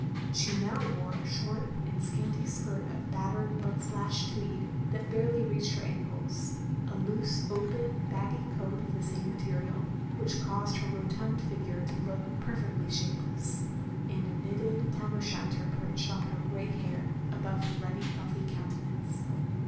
She now wore a short and scanty skirt of battered mud splashed tweed that barely reached OF GROSVENOR SQUARE 267 her ankles; a loose, open, baggy coat of the same material, which caused her rotund figure to look perfectly shapeless; and a knitted tam o' shanter perched on her grey hair above her ruddy healthy countenance.